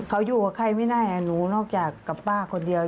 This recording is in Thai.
เขาอยู่กับใครไม่ได้หนูนอกจากกับป้าคนเดียว